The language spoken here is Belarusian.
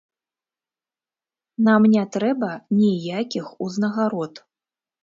Нам не трэба ніякіх узнагарод!